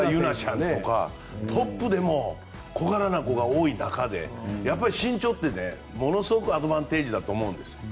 トップでも小柄な子が多い中でやっぱり身長ってものすごくアドバンテージだと思うんですよ。